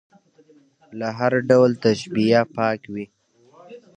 له هر ډول تشبیه پاک وي.